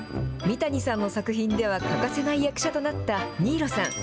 三谷さんの作品では欠かせない役者となった新納さん。